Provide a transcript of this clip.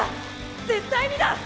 絶対にだ！